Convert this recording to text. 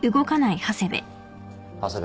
長谷部。